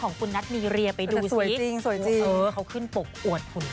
ของคุณนัทมีเรียไปดูสิเขาขึ้นปกอดคุณรับสะเกิดต่างต่างแต่สวยจริง